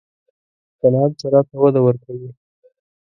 صنعت زراعت ته وده ورکوي